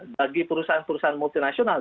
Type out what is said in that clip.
bagi perusahaan perusahaan multinasional